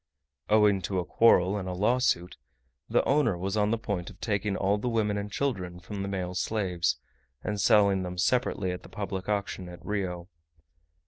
Owing to a quarrel and a lawsuit, the owner was on the point of taking all the women and children from the male slaves, and selling them separately at the public auction at Rio.